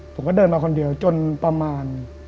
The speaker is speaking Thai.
ผมก็เดินมาคนเดียวจนประมาณ